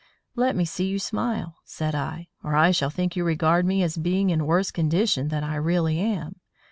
"Let me see you smile," said I, "or I shall think you regard me as being in worse condition than I really am.